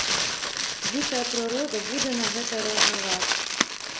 Дзікая прырода будзе на гэта рэагаваць.